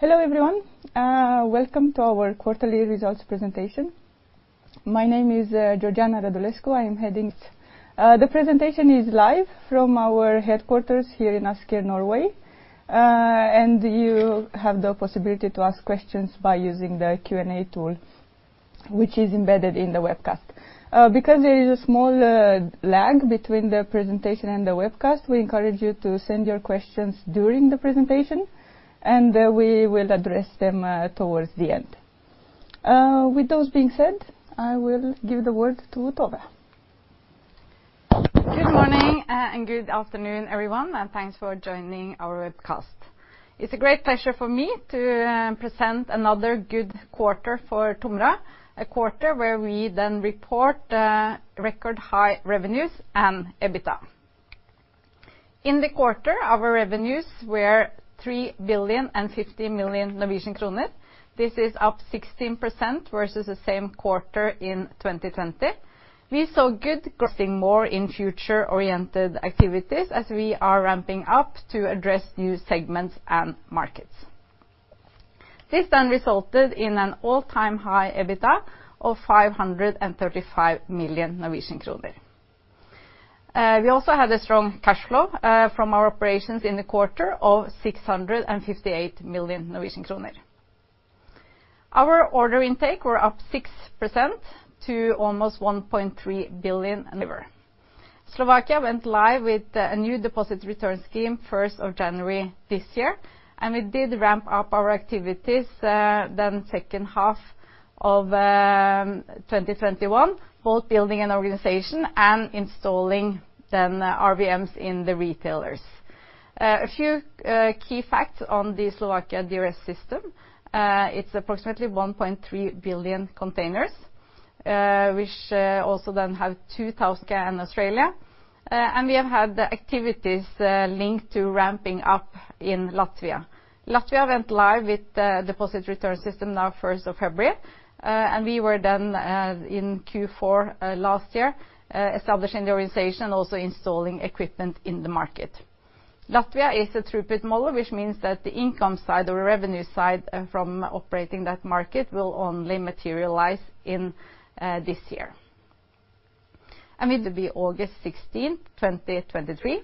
Hello, everyone. Welcome to our quarterly results presentation. My name is Georgiana Radulescu. The presentation is live from our headquarters here in Asker, Norway. You have the possibility to ask questions by using the Q&A tool which is embedded in the webcast. Because there is a small lag between the presentation and the webcast, we encourage you to send your questions during the presentation, and we will address them towards the end. With those being said, I will give the word to Tove. Good morning and good afternoon, everyone, and thanks for joining our webcast. It's a great pleasure for me to present another good quarter for TOMRA, a quarter where we then report record high revenues and EBITDA. In the quarter, our revenues were 3.05 billion. This is up 16% versus the same quarter in 2020. We saw good investing more in future-oriented activities as we are ramping up to address new segments and markets. This resulted in an all-time high EBITDA of 535 million Norwegian kroner. We also had a strong cash flow from our operations in the quarter of 658 million Norwegian kroner. Our order intake were up 6% to almost 1.3 billion. Slovakia went live with a new deposit return scheme first of January this year, and we did ramp up our activities then second half of 2021, both building an organization and then installing RVMs in the retailers. A few key facts on the Slovakia DRS system. It's approximately 1.3 billion containers. We have had the activities linked to ramping up in Latvia. Latvia went live with the deposit return system now first of February. We were then in Q4 last year establishing the organization, also installing equipment in the market. Latvia is a throughput model, which means that the income side or revenue side from operating that market will only materialize in this year. It'll be August 16, 2023.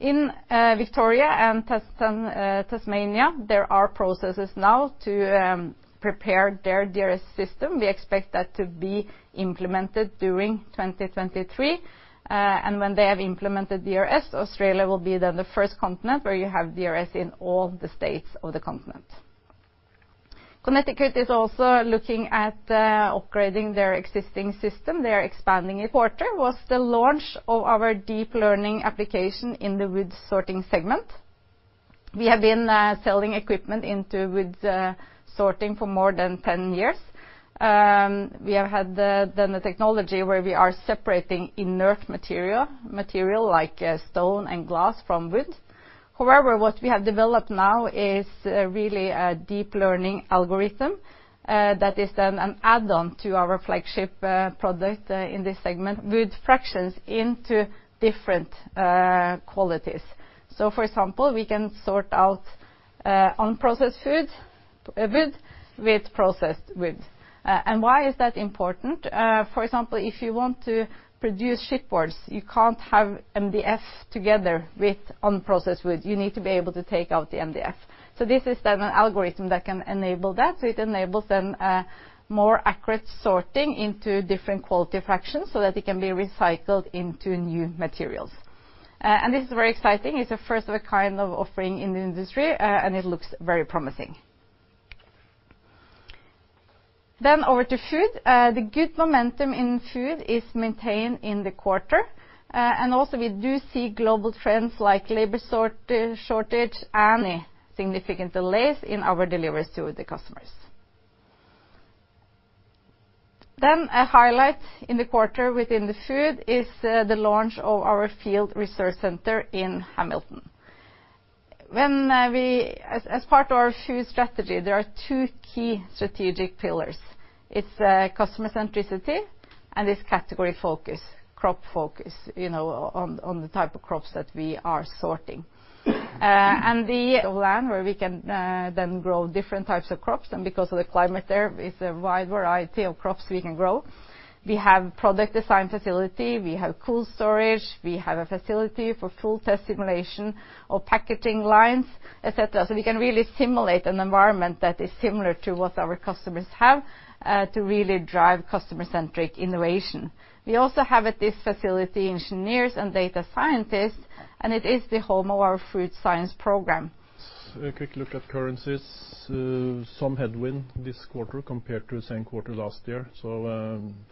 In Victoria and Tasmania, there are processes now to prepare their DRS system. We expect that to be implemented during 2023. When they have implemented DRS, Australia will be then the first continent where you have DRS in all the states of the continent. Connecticut is also looking at upgrading their existing system. Q1 was the launch of our deep learning application in the wood sorting segment. We have been selling equipment into wood sorting for more than 10 years. We have had the technology where we are separating inert material like stone and glass from wood. However, what we have developed now is really a deep learning algorithm that is then an add-on to our flagship product in this segment. Wood fractions into different qualities. For example, we can sort out unprocessed wood with processed wood. Why is that important? For example, if you want to produce chipboards, you can't have MDF together with unprocessed wood. You need to be able to take out the MDF. This is then an algorithm that can enable that. It enables then more accurate sorting into different quality fractions so that it can be recycled into new materials. This is very exciting. It's a first-of-a-kind of offering in the industry, and it looks very promising. Over to Food. The good momentum in Food is maintained in the quarter. We do see global trends like labor shortage and significant delays in our deliveries to the customers. A highlight in the quarter within the food is the launch of our field research center in Hamilton. As part of our food strategy, there are two key strategic pillars. It's customer centricity and it's category focus, crop focus, you know, on the type of crops that we are sorting. And the land where we can then grow different types of crops, and because of the climate there, it's a wide variety of crops we can grow. We have product design facility, we have cool storage, we have a facility for full test simulation of packaging lines, et cetera. We can really simulate an environment that is similar to what our customers have to really drive customer-centric innovation. We also have at this facility engineers and data scientists, and it is the home of our food science program. A quick look at currencies. Some headwind this quarter compared to the same quarter last year.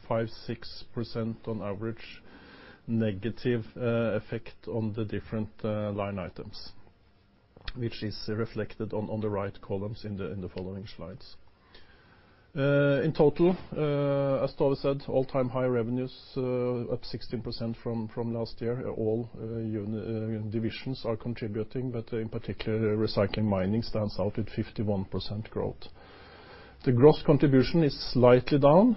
Five-six percent on average negative effect on the different line items, which is reflected on the right columns in the following slides. In total, as Tove said, all-time high revenues up 16% from last year. All units and divisions are contributing, but in particular, TOMRA Recycling Mining stands out at 51% growth. The gross contribution is slightly down,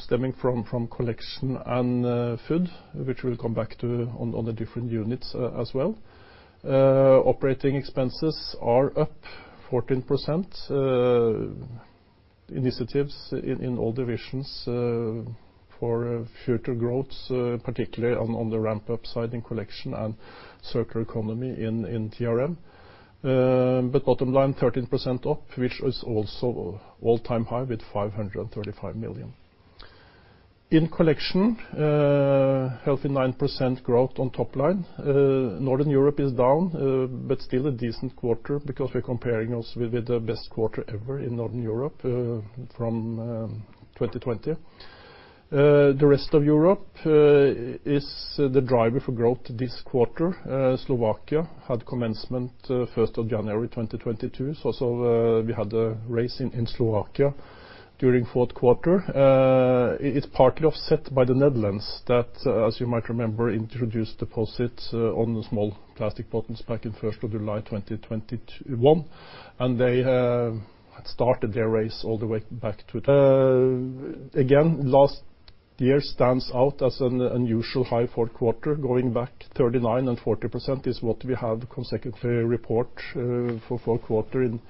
stemming from Collection and Food, which we'll come back to on the different units as well. Operating expenses are up 14%. Initiatives in all divisions for future growth, particularly on the ramp up side in Collection and circular economy in TRM. Bottom line 13% up, which is also all-time high with 535 million. In Collection, healthy 9% growth on top line. Northern Europe is down, but still a decent quarter because we're comparing also with the best quarter ever in Northern Europe from 2020. The rest of Europe is the driver for growth this quarter. Slovakia had commencement first of January, 2022. We had a rise in Slovakia during fourth quarter. It's partly offset by the Netherlands that, as you might remember, introduced deposits on the small plastic bottles back in the first of July 2021, and they started their rise all the way back to... Again, last year stands out as an unusually high fourth quarter. Going back 39% and 40% is what we have consecutively reported for fourth quarter in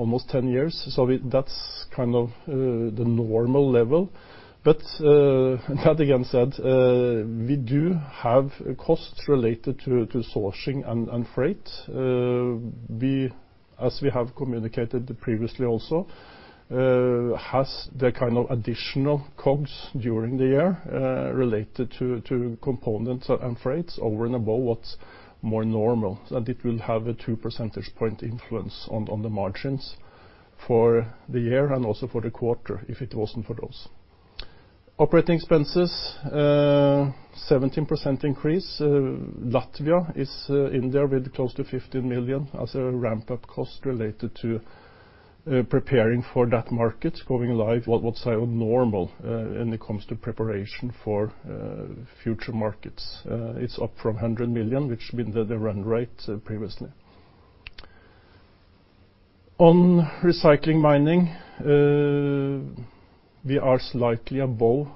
almost 10 years. That's kind of the normal level. That being said, we do have costs related to sourcing and freight. As we have communicated previously also, we have the kind of additional costs during the year, related to components and freights over and above what's more normal, and it will have a 2 percentage point influence on the margins for the year and also for the quarter if it wasn't for those. Operating expenses, 17% increase. Latvia is in there with close to 15 million as a ramp-up cost related to preparing for that market going live. What's our normal when it comes to preparation for future markets? It's up from 100 million, which had been the run rate previously. On Recycling Mining, we are slightly above,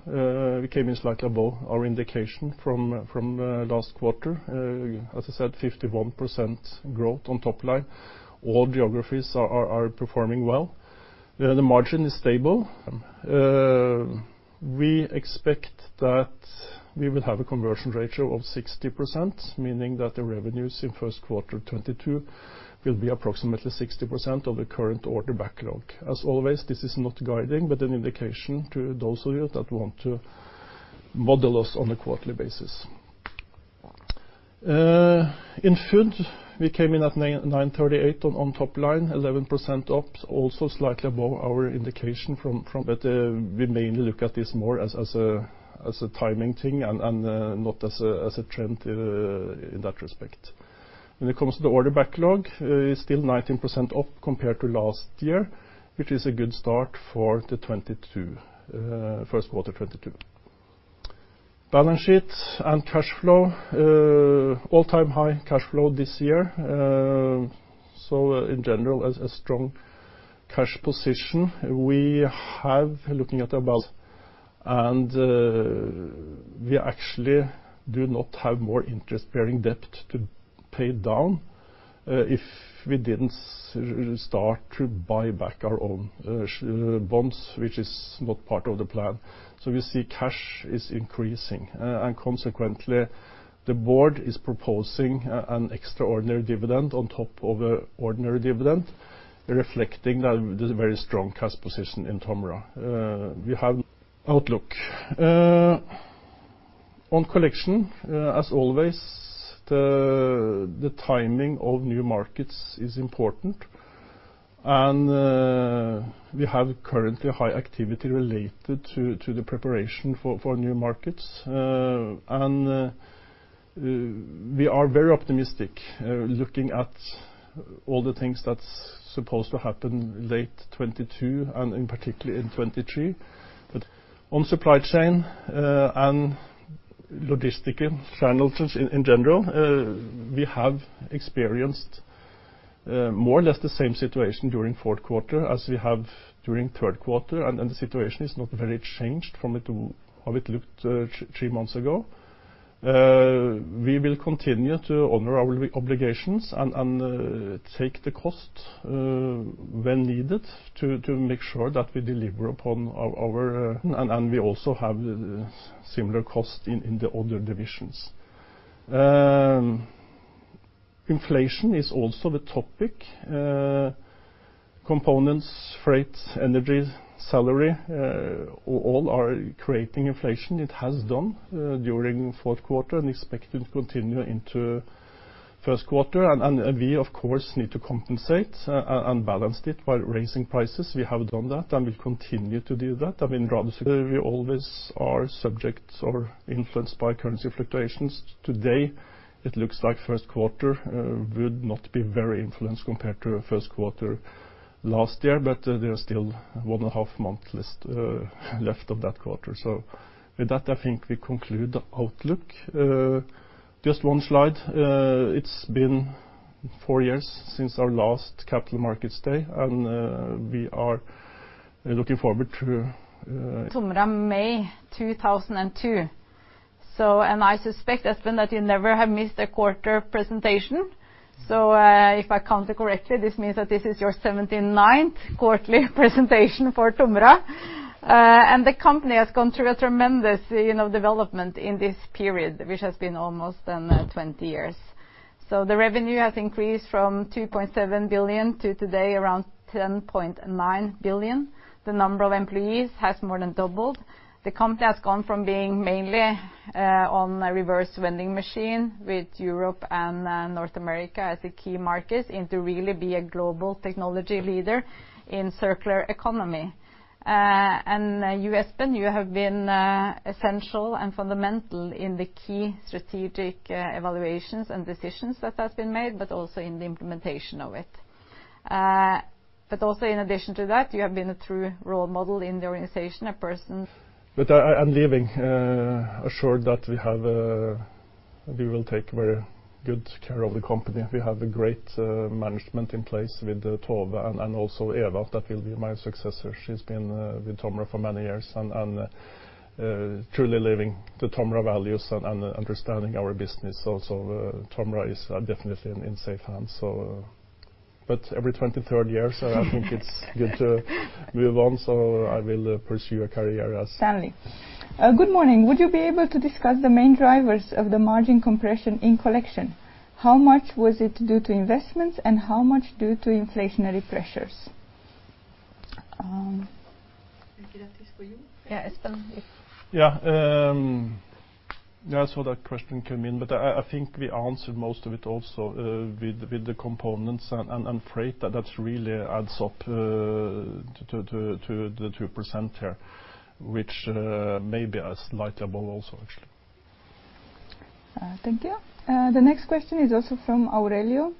we came in slightly above our indication from last quarter. As I said, 51% growth on top line. All geographies are performing well. The margin is stable. We expect that we will have a conversion ratio of 60%, meaning that the revenues in first quarter 2022 will be approximately 60% of the current order backlog. As always, this is not guiding, but an indication to those of you that want to model us on a quarterly basis. In Food, we came in at 938 on top line, 11% up, also slightly above our indication from. We mainly look at this more as a timing thing and not as a trend in that respect. When it comes to the order backlog, it's still 19% up compared to last year, which is a good start for 2022 first quarter 2022. Balance sheet and cash flow, all-time high cash flow this year. In general, a strong cash position. We have, looking at about. We actually do not have more interest-bearing debt to pay down, if we didn't start to buy back our own bonds, which is not part of the plan. We see cash is increasing, and consequently, the board is proposing an extraordinary dividend on top of an ordinary dividend, reflecting the very strong cash position in TOMRA. We have. Outlook. On collection, as always, the timing of new markets is important, and we have currently high activity related to the preparation for new markets. We are very optimistic looking at all the things that's supposed to happen late 2022, and in particular in 2023. On supply chain and logistic challenges in general, we have experienced more or less the same situation during fourth quarter as we have during third quarter, and the situation is not very changed from it, how it looked three months ago. We will continue to honor our obligations and take the cost when needed to make sure that we deliver upon our obligations. We also have the similar cost in the other divisions. Inflation is also the topic. Components, freights, energy, salary all are creating inflation. It has done so during fourth quarter and expected to continue into first quarter. We, of course, need to compensate and balance it by raising prices. We have done that, and we'll continue to do that. I mean, we always are subject to or influenced by currency fluctuations. Today, it looks like first quarter would not be very influenced compared to first quarter last year, but there are still one and a half months left of that quarter. With that, I think we conclude the outlook. Just one slide. It's been four years since our last Capital Markets Day, and we are looking forward to. TOMRA in May 2002. I suspect, Espen, that you never have missed a quarter presentation. If I count it correctly, this means that this is your 79th quarterly presentation for TOMRA. The company has gone through a tremendous, you know, development in this period, which has been almost 20 years. The revenue has increased from 2.7 billion to today around 10.9 billion. The number of employees has more than doubled. The company has gone from being mainly on a reverse vending machine with Europe and North America as the key markets, and to really be a global technology leader in circular economy. You, Espen, have been essential and fundamental in the key strategic evaluations and decisions that have been made, but also in the implementation of it. also in addition to that, you have been a true role model in the organization, a person- I'm leaving, assured that we have. We will take very good care of the company. We have a great management in place with Tove and also Eva, that will be my successor. She's been with TOMRA for many years, and truly living the TOMRA values and understanding our business also. TOMRA is definitely in safe hands. I think it's good to move on, so I will pursue a career as- Good morning. Would you be able to discuss the main drivers of the margin compression in collection? How much was it due to investments, and how much due to inflationary pressures? I think that is for you. Yeah, Espen, if Yeah, I saw that question come in, but I think we answered most of it also, with the components and freight that really adds up to the 2% here, which may be a slight overage also, actually. Thank you. The next question is also from Aurelio.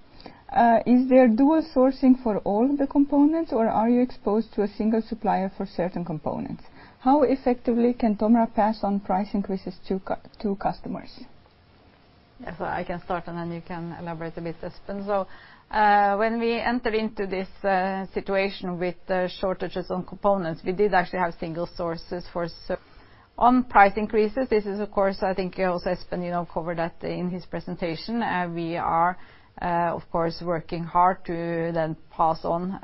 Is there dual sourcing for all the components, or are you exposed to a single supplier for certain components? How effectively can TOMRA pass on price increases to customers? Yeah, I can start, and then you can elaborate a bit, Espen. When we enter into this situation with shortages on components, we did actually have single sources. On price increases, this is of course, I think also Espen, you know, covered that in his presentation. We are, of course, working hard to then pass on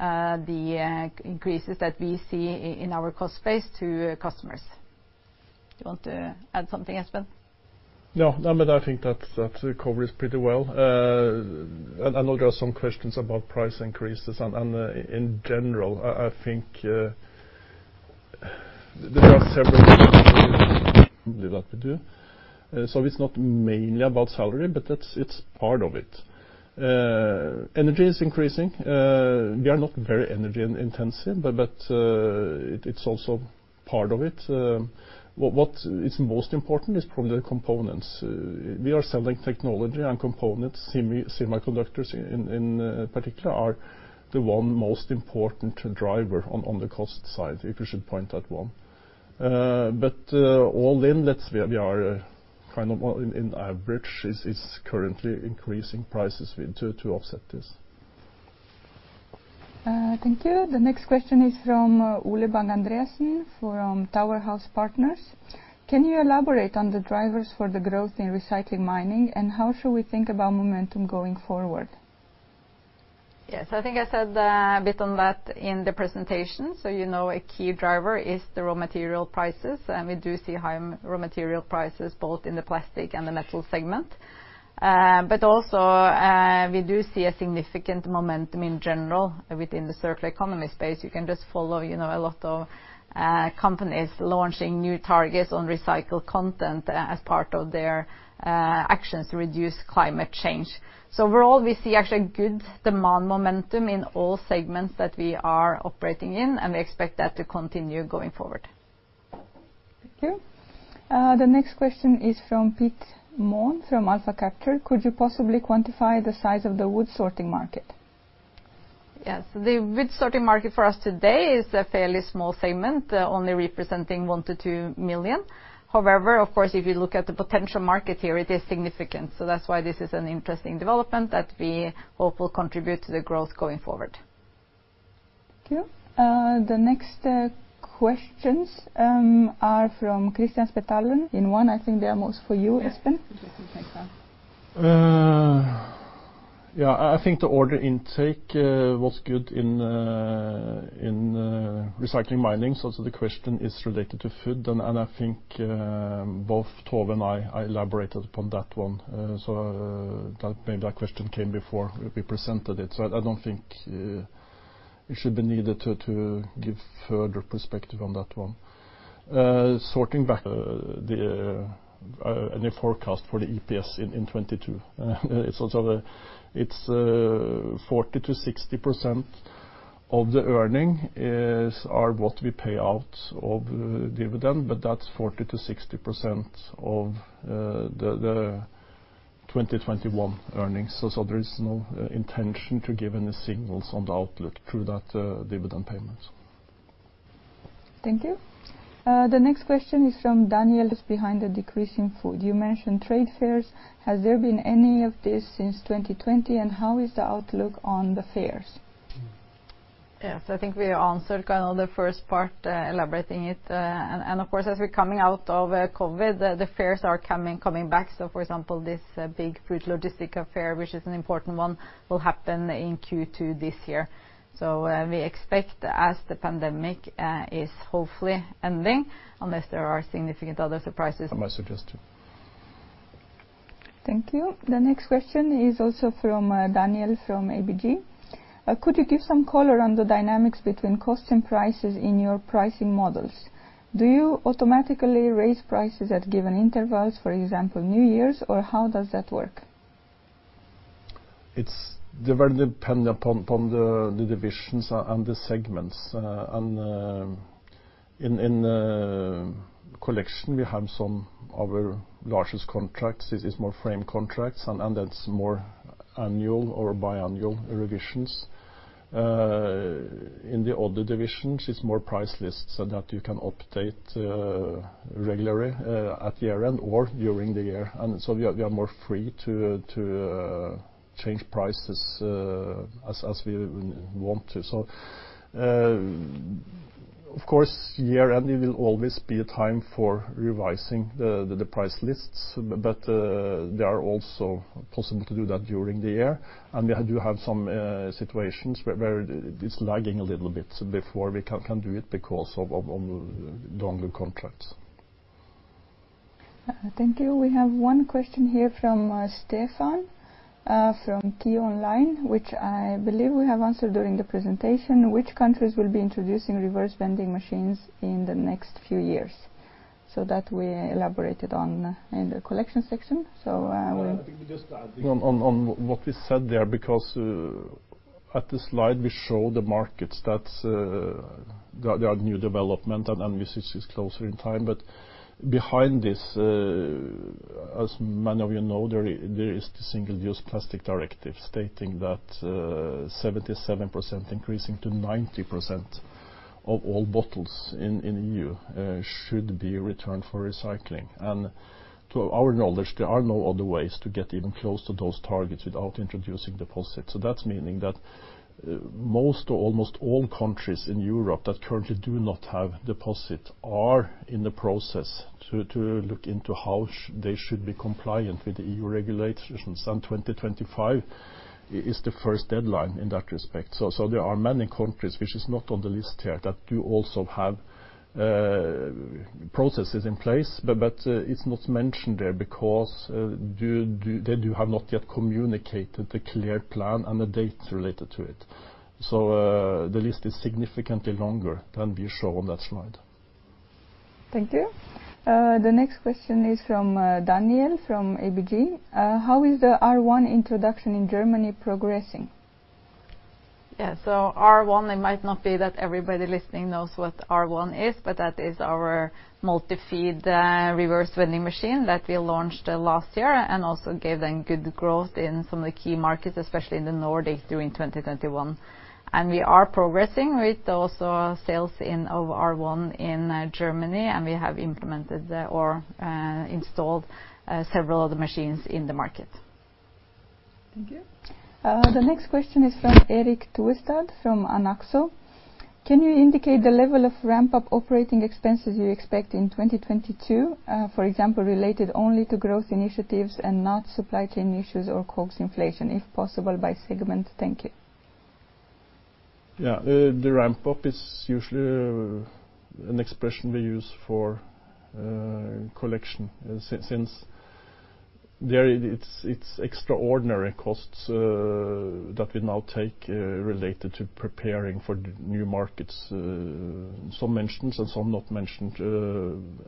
the increases that we see in our cost base to customers. Do you want to add something, Espen? No, but I think that covers pretty well. I know there are some questions about price increases and in general. I think there are several things that we do. It's not mainly about salary, but that's, it's part of it. Energy is increasing. We are not very energy intensive, but it's also part of it. What is most important is from the components. We are selling technology and components. Semiconductors in particular are the one most important driver on the cost side, if we should point at one. All in all, we are kind of on average currently increasing prices to offset this. Thank you. The next question is from Ole Bang-Andreasen from Tower House Partners. Can you elaborate on the drivers for the growth in Recycling Mining, and how should we think about momentum going forward? Yes, I think I said a bit on that in the presentation. You know a key driver is the raw material prices, and we do see high raw material prices both in the plastic and the metal segment. But also, we do see a significant momentum in general within the circular economy space. You can just follow, you know, a lot of companies launching new targets on recycled content as part of their actions to reduce climate change. Overall, we see actually good demand momentum in all segments that we are operating in, and we expect that to continue going forward. Thank you. The next question is from Peter Mohn from Alpha Capture. Could you possibly quantify the size of the wood sorting market? Yes. The wood sorting market for us today is a fairly small segment, only representing 1 million-2 million. However, of course, if you look at the potential market here, it is significant. That's why this is an interesting development that we hope will contribute to the growth going forward. Thank you. The next questions are from Kristian Spetalen. In one, I think they are most for you, Espen. Yeah. You take that. Yeah, I think the order intake was good in recycling mining, so the question is related to food, and I think both Tove and I elaborated upon that one. That maybe that question came before we presented it, so I don't think it should be needed to give further perspective on that one. Turning back to the forecast for the EPS in 2022. It's also 40%-60% of the earnings that we pay out as dividend, but that's 40%-60% of the 2021 earnings. There is no intention to give any signals on the outlook through that dividend payment. Thank you. The next question is from Daniel. What's behind the decrease in Food. You mentioned trade fairs. Has there been any of this since 2020? And how is the outlook on the fairs? Yes, I think we answered kind of the first part, elaborating it. Of course, as we're coming out of COVID, the fairs are coming back. For example, this big Fruit Logistica fair, which is an important one, will happen in Q2 this year. We expect, as the pandemic is hopefully ending, unless there are significant other surprises. I might suggest- Thank you. The next question is also from Daniel from ABG. Could you give some color on the dynamics between cost and prices in your pricing models? Do you automatically raise prices at given intervals, for example, New Year's? Or how does that work? They are very dependent upon the divisions and the segments. In Collection, we have some of our largest contracts. This is more framework contracts, and that's more annual or biannual revisions. In the other divisions, it's more price lists so that you can update regularly at year-end or during the year. We are more free to change prices as we want to. Of course, year-end will always be a time for revising the price lists, but they are also possible to do that during the year. We do have some situations where it's lagging a little bit, so before we can do it because of longer contracts. Thank you. We have one question here from Stefan from [Key Online], which I believe we have answered during the presentation. Which countries will be introducing reverse vending machines in the next few years? That we elaborated on in the collection section. We- I think we just adding on what we said there because at the slide, we show the markets that are new development and this is closer in time. Behind this, as many of you know, there is the Single-Use Plastics Directive stating that 77% increasing to 90% of all bottles in EU should be returned for recycling. To our knowledge, there are no other ways to get even close to those targets without introducing deposit. That's meaning that most or almost all countries in Europe that currently do not have deposit are in the process to look into how they should be compliant with the EU regulations, and 2025 is the first deadline in that respect. There are many countries which is not on the list here that do also have processes in place, but it's not mentioned there because they do have not yet communicated the clear plan and the date related to it. The list is significantly longer than we show on that slide. Thank you. The next question is from Daniel from ABG. How is the R1 introduction in Germany progressing? Yeah. R1, it might not be that everybody listening knows what R1 is, but that is our multi-feed reverse vending machine that we launched last year and also gave them good growth in some of the key markets, especially in the Nordics during 2021. We are progressing with also sales in, of R1 in, Germany, and we have implemented or installed several of the machines in the market. Thank you. The next question is from Erik Tørstad from [Arctic Securities]. Can you indicate the level of ramp-up operating expenses you expect in 2022, for example, related only to growth initiatives and not supply chain issues or COGS inflation, if possible by segment? Thank you. Yeah. The ramp-up is usually an expression we use for collection since there it's extraordinary costs that we now take related to preparing for new markets, some mentioned and some not mentioned,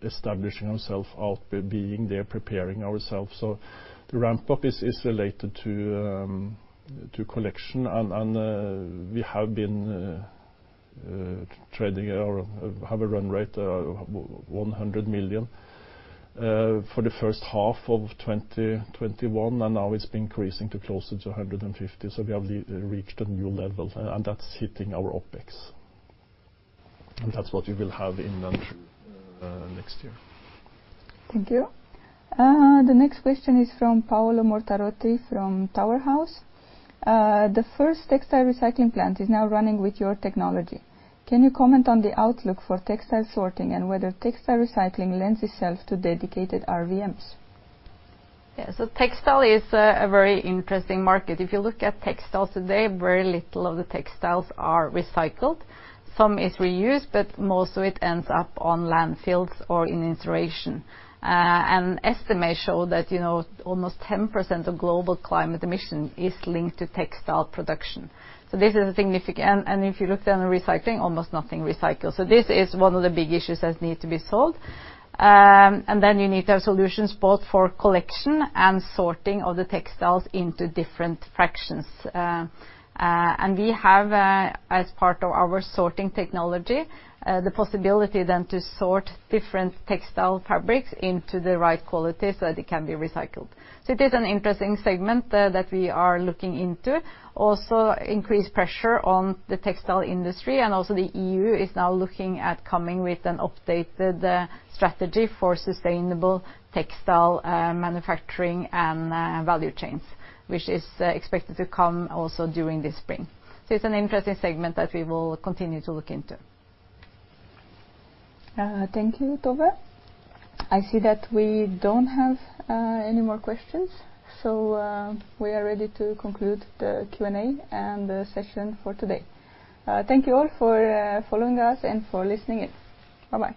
establishing ourselves out, being there, preparing ourselves. The ramp-up is related to collection. We have been trading or have a run rate of 100 million for the first half of 2021, and now it's increasing to closer to 150 million. We have reached a new level, and that's hitting our OpEx. That's what we will have in next year. Thank you. The next question is from Paolo Mortarotti from Tower House. The first textile recycling plant is now running with your technology. Can you comment on the outlook for textile sorting and whether textile recycling lends itself to dedicated RVMs? Yeah. Textile is a very interesting market. If you look at textiles today, very little of the textiles are recycled. Some is reused, but most of it ends up in landfills or in incineration. Estimates show that, you know, almost 10% of global climate emissions is linked to textile production. This is a significant issue, and if you look at recycling, almost nothing is recycled. This is one of the big issues that need to be solved. You need to have solutions both for collection and sorting of the textiles into different fractions. We have, as part of our sorting technology, the possibility to sort different textile fabrics into the right quality so that it can be recycled. It is an interesting segment that we are looking into. Increased pressure on the textile industry and also the EU is now looking at coming with an updated strategy for sustainable textile manufacturing and value chains, which is expected to come also during this spring. It's an interesting segment that we will continue to look into. Thank you, Tove. I see that we don't have any more questions, so we are ready to conclude the Q&A and the session for today. Thank you all for following us and for listening in. Bye-bye.